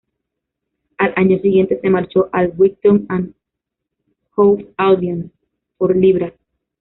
Al año siguiente se marchó al Brighton and Hove Albion por libras.